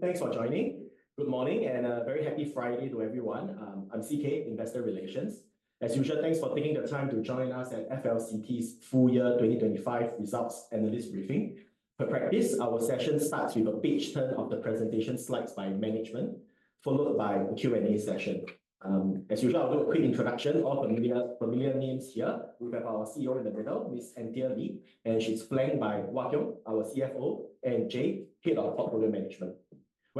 Thanks for joining. Good morning and a very happy Friday to everyone. I'm CK, Investor Relations. As usual, thanks for taking the time to join us at FLCT's full year 2025 results analyst briefing. For practice, our session starts with a pitch turn of the presentation slides by management, followed by a Q&A session. As usual, I'll do a quick introduction. All familiar names here. We have our CEO in the middle, Ms. Anthea Lee, and she's flanked by Wah Keong, our CFO, and Jake, Head of Portfolio Management.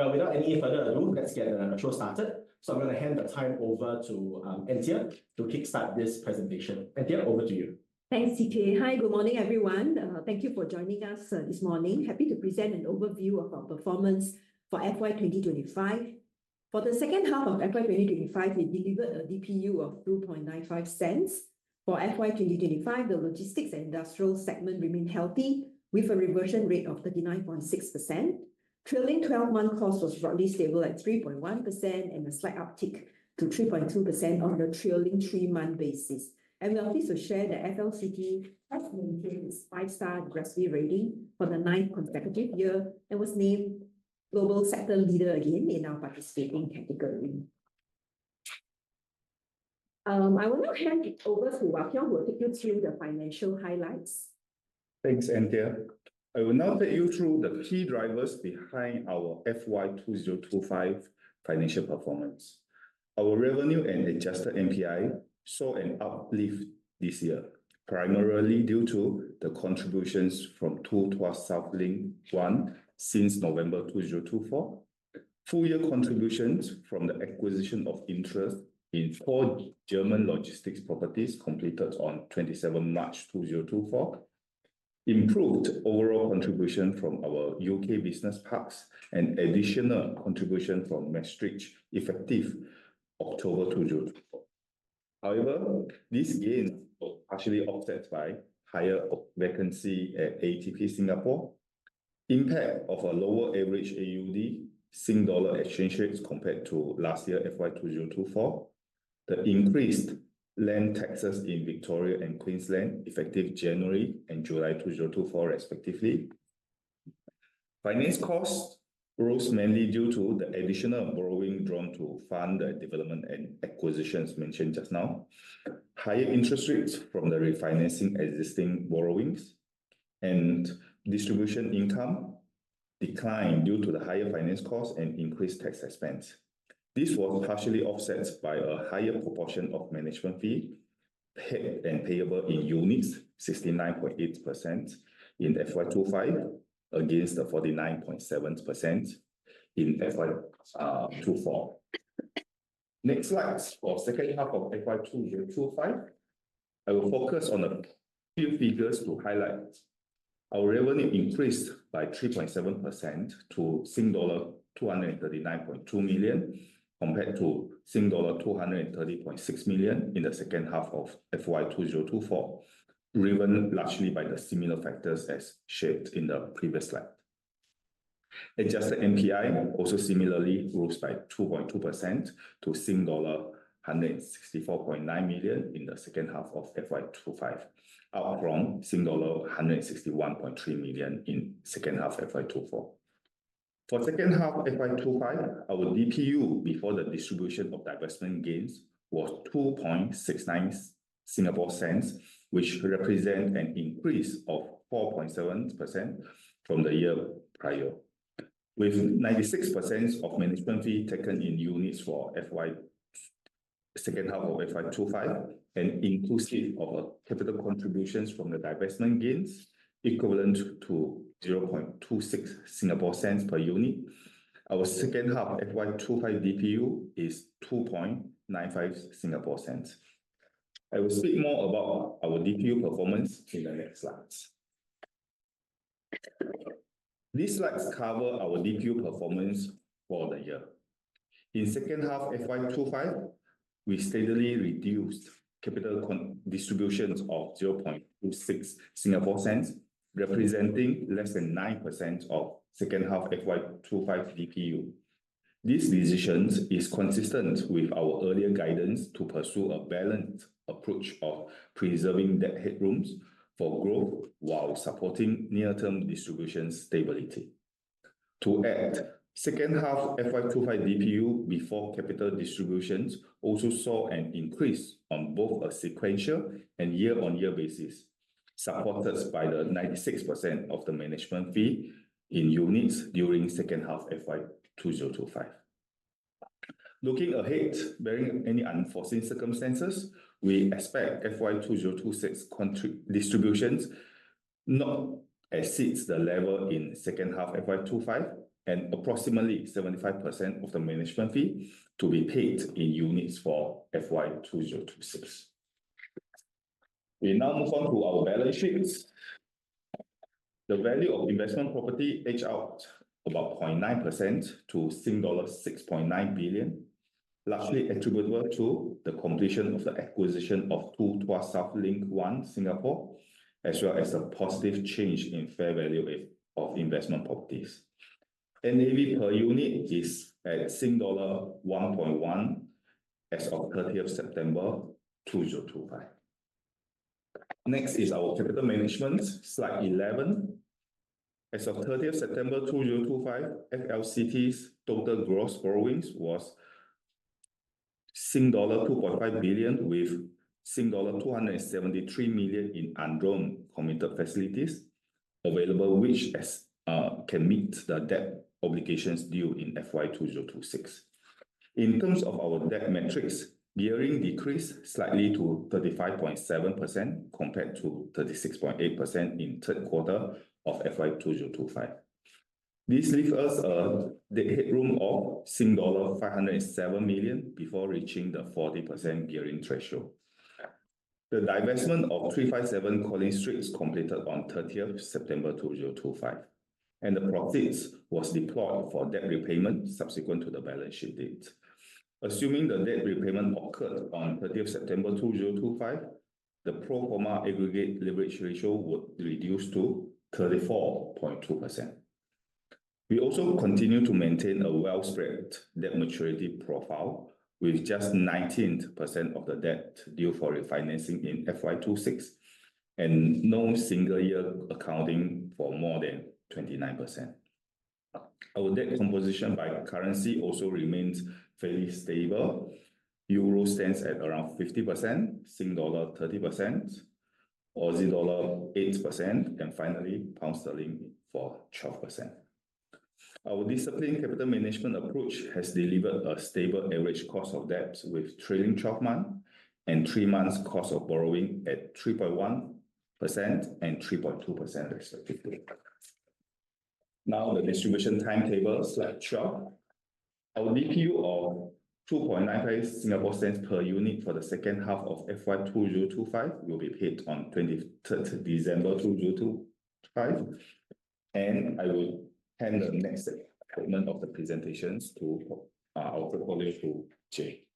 Without any further ado, let's get the show started. I'm going to hand the time over to Anthea to kickstart this presentation. Anthea, over to you. Thanks, CK. Hi, good morning, everyone. Thank you for joining us this morning. Happy to present an overview of our performance for FY 2025. For the second half of FY 2025, we delivered a DPU of 0.0295. For FY 2025, the logistics and industrial segment remain healthy with a reversion rate of 39.6%. Trailing 12-month cost was broadly stable at 3.1% and a slight uptick to 3.2% on a trailing three-month basis. I'm happy to share that FLCT has maintained its five-star GRESB rating for the ninth consecutive year and was named Global Sector Leader again in our participating category. I will now hand it over to Wah Keong, who will take you through the financial highlights. Thanks, Anthea. I will now take you through the key drivers behind our FY 2025 financial performance. Our revenue and adjusted NPI saw an uplift this year, primarily due to the contributions from 2 Tuas South Link 1 since November 2024. Full-year contributions from the acquisition of interest in four German logistics properties completed on 27 March 2024, improved overall contribution from our U.K. business parks, and additional contribution from Maastricht, effective October 2024. These gains were actually offset by higher vacancy at ATP Singapore. Impact of a lower average AUD-SGD exchange rates compared to last year, FY 2024. The increased land taxes in Victoria and Queensland effective January and July 2024, respectively. Finance cost rose mainly due to the additional borrowing drawn to fund the development and acquisitions mentioned just now. Higher interest rates from the refinancing existing borrowings. Distribution income declined due to the higher finance cost and increased tax expense. This was partially offset by a higher proportion of management fee paid and payable in units, 69.8% in FY 2025 against the 49.7% in FY 2024. Next slides for second half of FY 2025. I will focus on a few figures to highlight. Our revenue increased by 3.7% to Sing dollar 239.2 million, compared to Sing dollar 230.6 million in the second half of FY 2024, driven largely by the similar factors as shared in the previous slide. Adjusted NPI also similarly grows by 2.2% to dollar 164.9 million in the second half of FY 2025, up from dollar 161.3 million in second half FY 2024. For second half FY 2025, our DPU before the distribution of divestment gains was 0.0269, which represent an increase of 4.7% from the year prior. With 96% of management fee taken in units for the second half of FY 2025 and inclusive of capital contributions from the divestment gains equivalent to 0.0026 per unit. Our second half FY 2025 DPU is 0.0295. I will speak more about our DPU performance in the next slides. These slides cover our DPU performance for the year. In second half FY 2025, we steadily reduced capital distributions of 0.0026, representing less than 9% of second half FY 2025 DPU. These decisions are consistent with our earlier guidance to pursue a balanced approach of preserving debt headrooms for growth while supporting near-term distribution stability. To add, second half FY 2025 DPU before capital distributions also saw an increase on both a sequential and year-on-year basis, supported by the 96% of the management fee in units during second half FY 2025. Looking ahead, barring any unforeseen circumstances, we expect FY 2026 distributions not to exceed the level in second half FY 2025 and approximately 75% of the management fee to be paid in units for FY 2026. We now move on to our balance sheets. The value of investment property edged out about 0.9% to dollars 6.9 billion, largely attributable to the completion of the acquisition of 2 Tuas South Link 1 Singapore, as well as a positive change in fair value of investment properties. NAV per unit is at dollar 1.1 as of 30th September 2025. Next is our capital management, slide 11. As of 30th September 2025, FLCT's total gross borrowings was dollar 2.5 billion with dollar 273 million in undrawn committed facilities available, which can meet the debt obligations due in FY 2026. In terms of our debt metrics, gearing decreased slightly to 35.7% compared to 36.8% in third quarter of FY 2025. This leaves us a headroom of 507 million dollar before reaching the 40% gearing threshold. The divestment of 357 Collins Street is completed on 30th September 2025, and the proceeds were deployed for debt repayment subsequent to the balance sheet date. Assuming the debt repayment occurred on 30 September 2025, the pro forma aggregate leverage ratio would reduce to 34.2%. We also continue to maintain a well spread debt maturity profile with just 19% of the debt due for refinancing in FY 2026, and no single year accounting for more than 29%. Our debt composition by currency also remains fairly stable. EUR stands at around 50%, SGD 30%, AUD 8%, and finally, GBP for 12%. Our disciplined capital management approach has delivered a stable average cost of debt with trailing 12-month and 3-month cost of borrowing at 3.1% and 3.2%, respectively. Now the distribution timetable, slide 12. Our DPU of SGD 0.0295 per unit for the second half of FY 2025 will be paid on 23rd December 2025. I will hand the next segment of the presentations to our colleague, Jake.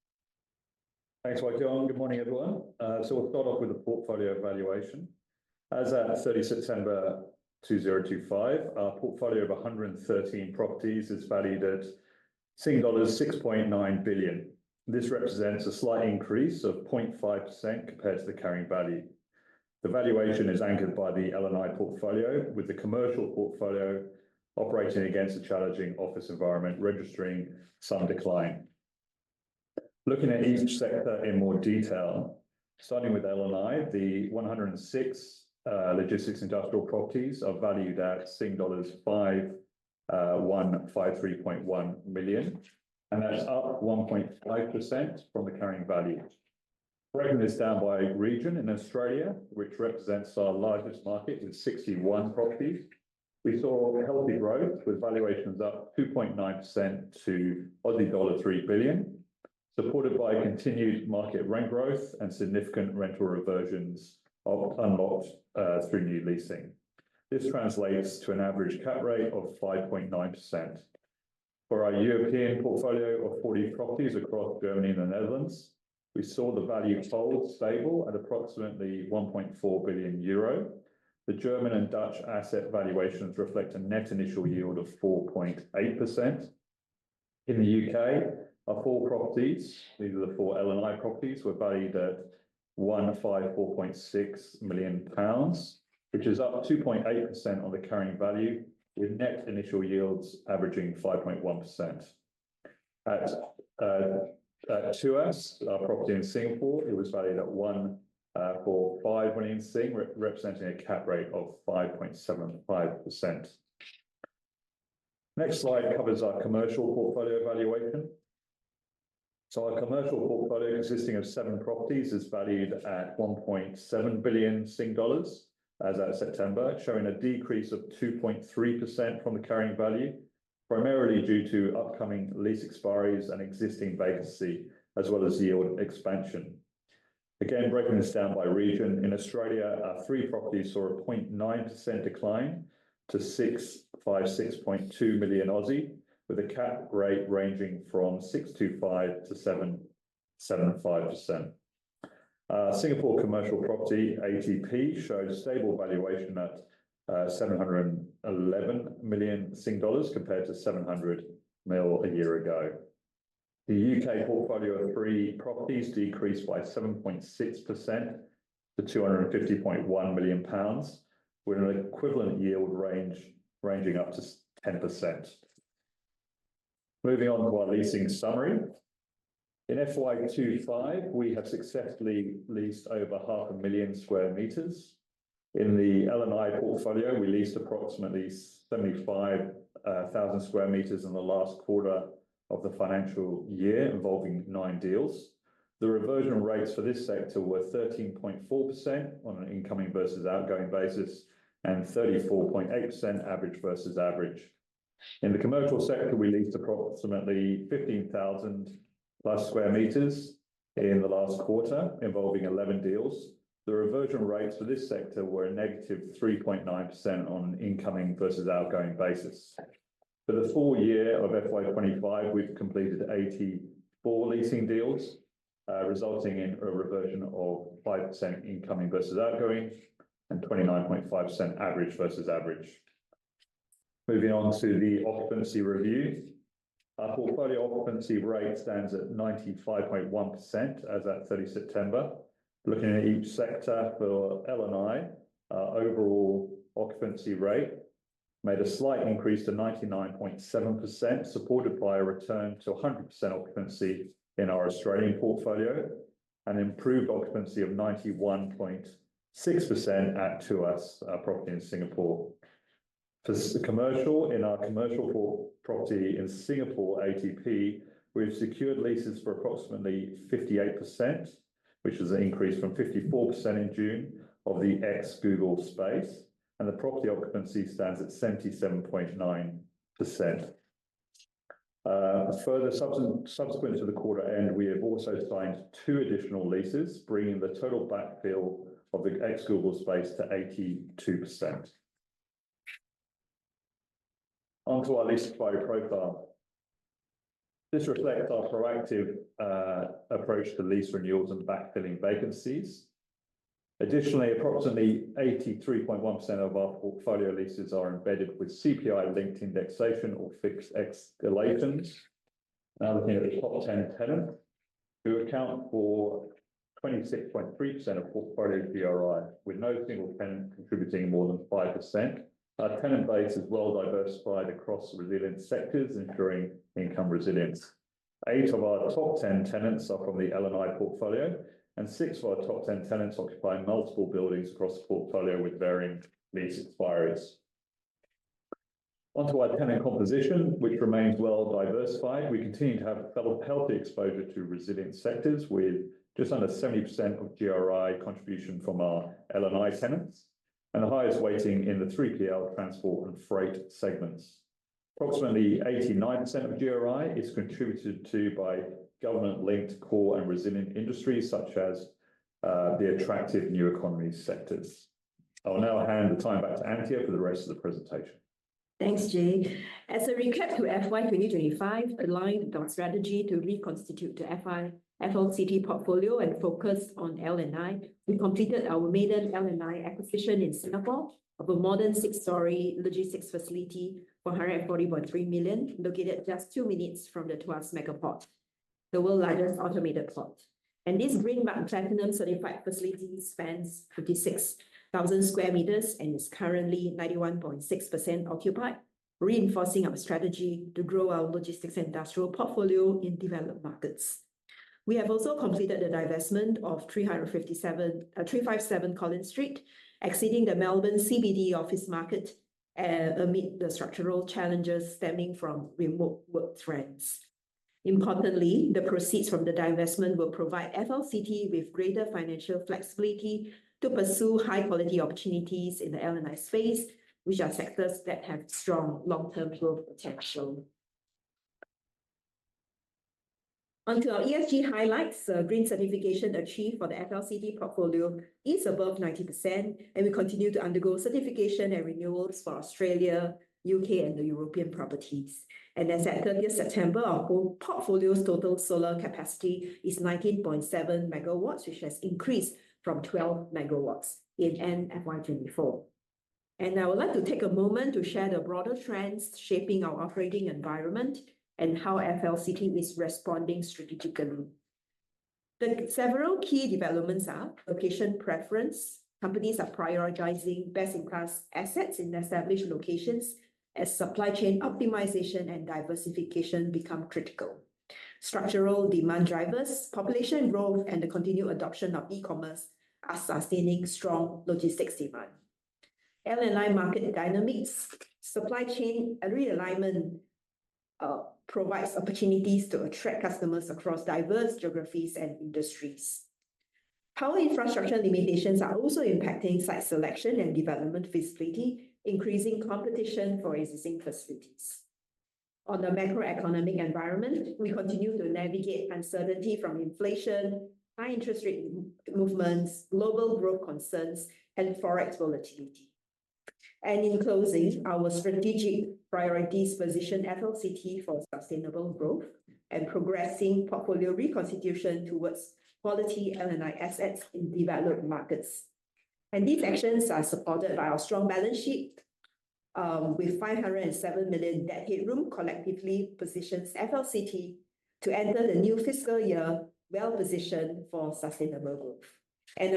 Thanks, Wah Keong. Good morning, everyone. We will start off with the portfolio valuation. As at 30 September 2025, our portfolio of 113 properties is valued at dollars 6.9 billion. This represents a slight increase of 0.5% compared to the carrying value. The valuation is anchored by the L&I portfolio, with the commercial portfolio operating against a challenging office environment, registering some decline. Looking at each sector in more detail, starting with L&I, the 106 logistics industrial properties are valued at Sing dollars 5,153.1 million, and that is up 1.5% from the carrying value. Breaking this down by region, in Australia, which represents our largest market with 61 properties, we saw a healthy growth with valuations up 2.9% to Aussie dollar 3 billion, supported by continued market rent growth and significant rental reversions unlocked through new leasing. This translates to an average CAP rate of 5.9%. For our European portfolio of 40 properties across Germany and the Netherlands, we saw the value hold stable at approximately 1.4 billion euro. The German and Dutch asset valuations reflect a net initial yield of 4.8%. In the U.K., our four properties, these are the four L&I properties, were valued at 154.6 million pounds, which is up 2.8% on the carrying value, with net initial yields averaging 5.1%. At 2S, our property in Singapore, it was valued at 145 million, representing a CAP rate of 5.75%. Next slide covers our commercial portfolio valuation. Our commercial portfolio consisting of seven properties is valued at 1.7 billion Sing dollars as at September, showing a decrease of 2.3% from the carrying value, primarily due to upcoming lease expiries and existing vacancy, as well as yield expansion. Again, breaking this down by region, in Australia, our three properties saw a 0.9% decline to 656.2 million, with a CAP rate ranging from 6.25%-7.5%. Singapore commercial property, ATP, showed a stable valuation at 711 million Sing dollars compared to 700 million a year ago. The U.K. portfolio of three properties decreased by 7.6% to 250.1 million pounds, with an equivalent yield range ranging up to 10%. Moving on to our leasing summary. In FY 2025, we have successfully leased over half a million square meters. In the L&I portfolio, we leased approximately 75,000 square meters in the last quarter of the financial year involving nine deals. The reversion rates for this sector were 13.4% on an incoming versus outgoing basis and 34.8% average versus average. In the commercial sector, we leased approximately 15,000+ square meters in the last quarter involving 11 deals. The reversion rates for this sector were a -3.9% on incoming versus outgoing basis. For the full year of FY 2025, we have completed 84 leasing deals, resulting in a reversion of 5% incoming versus outgoing and 29.5% average versus average. Moving on to the occupancy review. Our portfolio occupancy rate stands at 95.1% as at 30 September. Looking at each sector for L&I, our overall occupancy rate made a slight increase to 99.7%, supported by a return to 100% occupancy in our Australian portfolio, and improved occupancy of 91.6% at Tuas property in Singapore. For commercial, in our commercial property in Singapore, ATP, we have secured leases for approximately 58%, which is an increase from 54% in June of the ex-Google space, and the property occupancy stands at 77.9%. Further subsequent to the quarter end, we have also signed two additional leases, bringing the total backfill of the ex-Google space to 82%. Our lease expiry profile. This reflects our proactive approach to lease renewals and backfilling vacancies. Additionally, approximately 83.1% of our portfolio leases are embedded with CPI-linked indexation or fixed escalations. Looking at the top 10 tenants, who account for 26.3% of portfolio GRI, with no single tenant contributing more than 5%. Our tenant base is well diversified across resilient sectors, ensuring income resilience. Eight of our top 10 tenants are from the L&I portfolio, and six of our top 10 tenants occupy multiple buildings across the portfolio with varying lease expiries. Our tenant composition, which remains well diversified. We continue to have a healthy exposure to resilient sectors, with just under 70% of GRI contribution from our L&I tenants, and the highest weighting in the 3PL transport and freight segments. Approximately 89% of GRI is contributed to by government-linked core and resilient industries, such as the attractive new economy sectors. I will now hand the time back to Anthea for the rest of the presentation. Thanks, Jake. As a recap to FY 2025, aligned with our strategy to reconstitute the FLCT portfolio and focus on L&I, we completed our maiden L&I acquisition in Singapore of a modern six-story logistics facility, 140.3 million, located just two minutes from the Tuas Mega Port, the world's largest automated port. This Green Mark Platinum-certified facility spans 56,000 sq m and is currently 91.6% occupied, reinforcing our strategy to grow our logistics industrial portfolio in developed markets. We have also completed the divestment of 357 Collins Street, exiting the Melbourne CBD office market amid the structural challenges stemming from remote work trends. Importantly, the proceeds from the divestment will provide FLCT with greater financial flexibility to pursue high-quality opportunities in the L&I space, which are sectors that have strong long-term growth potential. Our ESG highlights. Green certification achieved for the FLCT portfolio is above 90%. We continue to undergo certification and renewals for Australia, U.K., and the European properties. As at 30 September, our whole portfolio's total solar capacity is 19.7 MW, which has increased from 12 MW in FY 2024. I would like to take a moment to share the broader trends shaping our operating environment and how FLCT is responding strategically. The several key developments are location preference. Companies are prioritizing best-in-class assets in established locations as supply chain optimization and diversification become critical. Structural demand drivers, population growth, and the continued adoption of e-commerce are sustaining strong logistics demand. L&I market dynamics, supply chain, and realignment provides opportunities to attract customers across diverse geographies and industries. Power infrastructure limitations are also impacting site selection and development feasibility, increasing competition for existing facilities. On the macroeconomic environment, we continue to navigate uncertainty from inflation, high interest rate movements, global growth concerns, and Forex volatility. In closing, our strategic priorities position FLCT for sustainable growth and progressing portfolio reconstitution towards quality L&I assets in developed markets. These actions are supported by our strong balance sheet, with 507 million debt headroom collectively positions FLCT to enter the new fiscal year well-positioned for sustainable growth.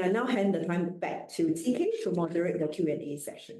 I now hand the time back to CK to moderate the Q&A session